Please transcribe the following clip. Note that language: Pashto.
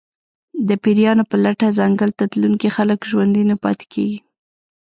د پېریانو په لټه ځنګل ته تلونکي خلک ژوندي نه پاتې کېږي.